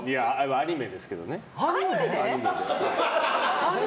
アニメで！